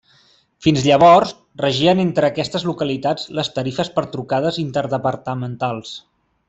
Fins llavors, regien entre aquestes localitats les tarifes per trucades interdepartamentals.